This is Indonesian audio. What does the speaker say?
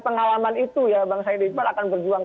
pengalaman itu ya bang said iqbal akan berjuang